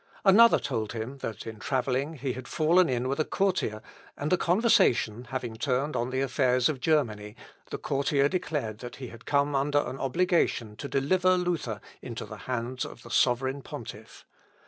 Another told him, that in travelling he had fallen in with a courtier, and the conversation having turned on the affairs of Germany, the courtier declared that he had come under an obligation to deliver Luther into the hands of the sovereign pontiff.